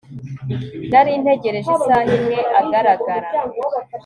Nari ntegereje isaha imwe agaragara